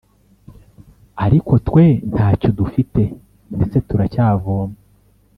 ariko twe ntayo dufite ndetse turacyavom